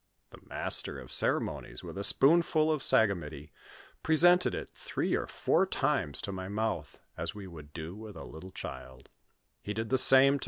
The master of ceremonies, with a spoonful of sa gamity, presented it three or four times to my mouth, as we would do with a little child ; he did the same to M.